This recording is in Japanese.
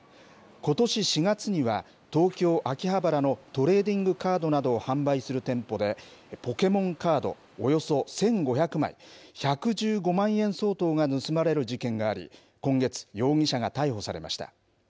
ことし４月には、東京・秋葉原のトレーディングカードなどを販売する店舗で、ポケモンカードおよそ１５００枚、１１５万円相当が盗まれる事件があり、今月、容疑者が逮捕されました。